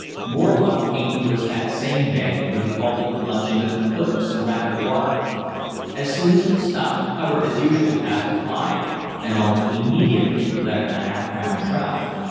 More luck came to us that same day when we halted for luncheon at the foot of some rapid water. As soon as we stopped, Hubbard, as usual, cast a fly, and almost immediately landed a half pound trout.